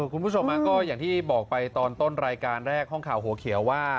คุณผู้ชมก็อย่างที่บอกไปตอนต้นรายการแรกห้องข่าวหัวเขียวว่า